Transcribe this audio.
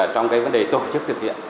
trong cái vấn đề tổ chức thực hiện